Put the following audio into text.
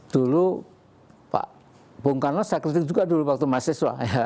dulu pak bung karno saya kritik juga dulu waktu mahasiswa